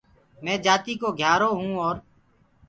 مينٚ جآتيٚڪو گهيٚآرو هونٚ اور